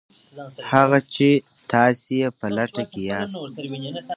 هغه څه چې تاسې یې په لټه کې یاست